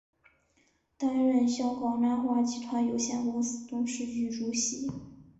担任香港南华集团有限公司董事局主席。